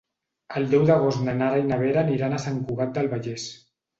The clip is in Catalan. El deu d'agost na Nara i na Vera aniran a Sant Cugat del Vallès.